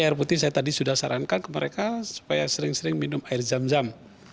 air putih saya tadi sudah sarankan ke mereka supaya sering sering minum air zam zam